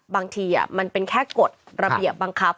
บางทีมันเป็นแค่กฎระเบียบบังคับ